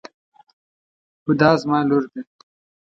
هُدا زما لور ده.